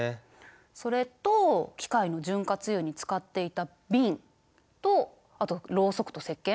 それと機械の潤滑油に使っていた瓶とあとろうそくとせっけん。